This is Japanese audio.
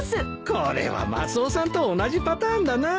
これはマスオさんと同じパターンだな。